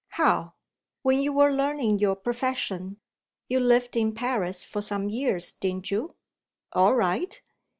"How?" "When you were learning your profession, you lived in Paris for some years, didn't you? "All right!"